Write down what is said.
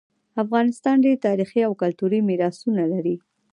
افغانستان ډیر تاریخي او کلتوری میراثونه لري